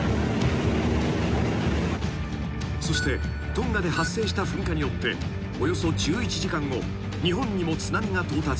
［そしてトンガで発生した噴火によっておよそ１１時間後日本にも津波が到達］